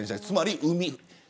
つまり、海。